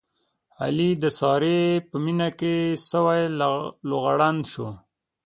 علي د سارې په مینه کې سوی لوغړن شو.